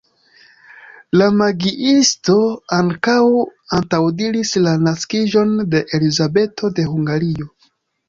La magiisto ankaŭ antaŭdiris la naskiĝon de Elizabeto de Hungario.